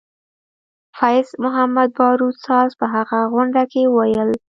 فیض محمدباروت ساز په هغه غونډه کې وویل.